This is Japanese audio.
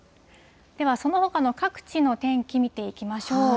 では、そのほかの各地の天気、見ていきましょう。